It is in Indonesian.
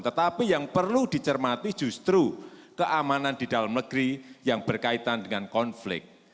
tetapi yang perlu dicermati justru keamanan di dalam negeri yang berkaitan dengan konflik